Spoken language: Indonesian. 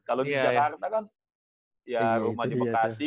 kalau di jakarta kan ya rumah di bekasi